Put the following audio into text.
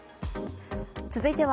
続いては。